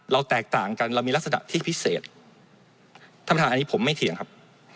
แตกต่างกันเรามีลักษณะที่พิเศษท่านประธานอันนี้ผมไม่เถียงครับ